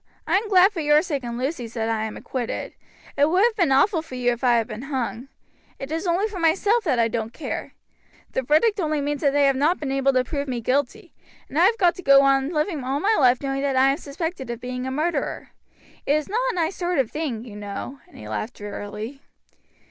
"I am glad for your sake and Lucy's that I am acquitted; it would have been awful for you if I had been hung it is only for myself that I don't care. The verdict only means that they have not been able to prove me guilty, and I have got to go on living all my life knowing that I am suspected of being a murderer. It is not a nice sort of thing, you know," and he laughed drearily.